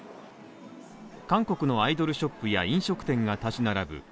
韓国のアイドルショップや飲食店が立ち並ぶ